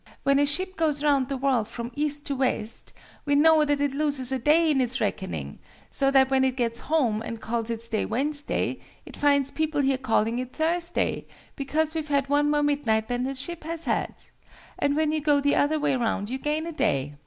When a ship goes round the world from east to west, we know that it loses a day in its reckoning: so that when it gets home, and calls its day Wednesday, it finds people here calling it Thursday, because we've had one more midnight than the ship has had. And when you go the other way round you gain a day."